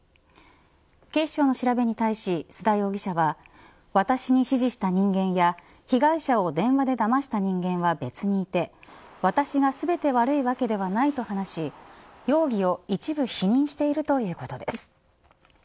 警視庁の調べに対し須田容疑者は私に指示した人間や被害者を電話でだました人間は別にいて私が全て悪いわけではないと話し容疑を一部否認しているということです。